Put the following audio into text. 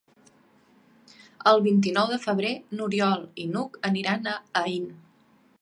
El vint-i-nou de febrer n'Oriol i n'Hug aniran a Aín.